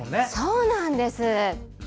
そうなんです。